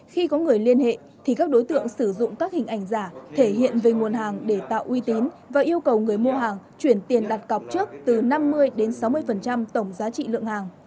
khi có người liên hệ thì các đối tượng sử dụng các hình ảnh giả thể hiện về nguồn hàng để tạo uy tín và yêu cầu người mua hàng chuyển tiền đặt cọc trước từ năm mươi sáu mươi tổng giá trị lượng hàng